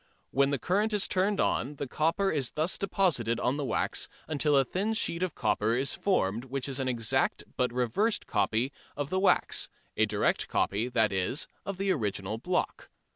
When the current is turned on the copper is thus deposited on the wax until a thin sheet of copper is formed which is an exact but reversed copy of the wax, a direct copy, that is, of the original block.